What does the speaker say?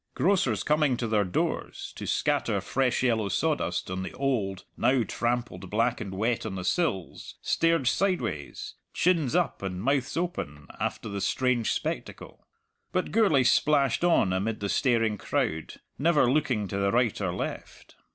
Grocers coming to their doors, to scatter fresh yellow sawdust on the old, now trampled black and wet on the sills, stared sideways, chins up and mouths open, after the strange spectacle. But Gourlay splashed on amid the staring crowd, never looking to the right or left.